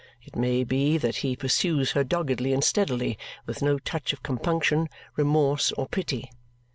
It may be that he pursues her doggedly and steadily, with no touch of compunction, remorse, or pity.